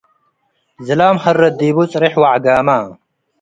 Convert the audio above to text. ዝላም ሀረት ዲቡ - ጽሬሕ ወዐጋመ